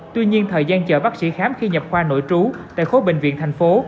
tuy nhiên thời gian chờ bác sĩ khám khi nhập khoa nội trú tại khối bệnh viện thành phố